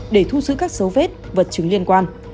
để thu giữ các dấu vết vật chứng liên quan